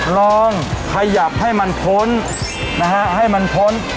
ลองขยับให้มันพ้นนะฮะให้มันพ้น